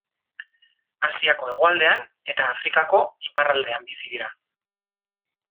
Asiako hegoaldean eta Afrikako iparraldean bizi dira.